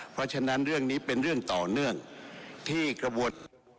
เพราะฉะนั้นเรื่องนี้เป็นเรื่องต่อเนื่องที่กระบวน